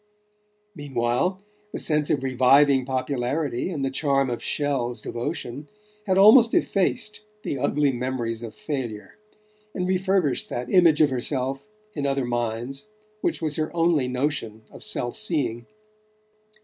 Meanwhile the sense of reviving popularity, and the charm of Chelles' devotion, had almost effaced the ugly memories of failure, and refurbished that image of herself in other minds which was her only notion of self seeing.